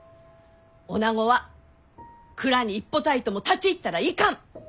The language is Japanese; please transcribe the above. おなごは蔵に一歩たりとも立ち入ったらいかん！